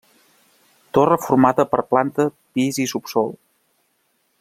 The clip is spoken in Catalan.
Torre formada per planta, pis i un subsòl.